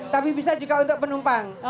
tapi bisa juga untuk penumpang